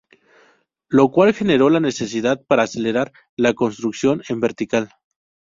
Lo cual generó la necesidad para acelerar la construcción en vertical.